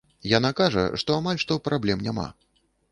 Яна кажа, што амаль што праблем няма.